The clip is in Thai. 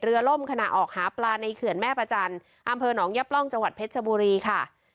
ล่มขณะออกหาปลาในเขื่อนแม่ประจันทร์อำเภอหนองยะปล้องจังหวัดเพชรชบุรีค่ะ